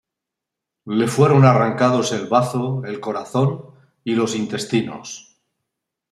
Le fueron arrancados el bazo, el corazón y los intestinos.